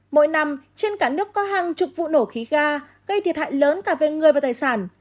mỗi năm trên cả nước có hàng chục vụ nổ khí ga gây thiệt hại lớn cả về người và tài sản